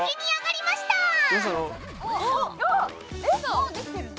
もうできてるの？